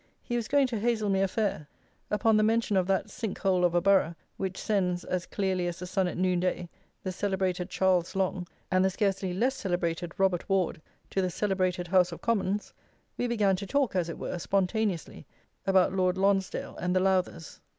He was going to Haslemere fair. Upon the mention of that sink hole of a Borough, which sends, "as clearly as the sun at noonday," the celebrated Charles Long, and the scarcely less celebrated Robert Ward, to the celebrated House of Commons, we began to talk, as it were, spontaneously, about Lord Lonsdale and the Lowthers.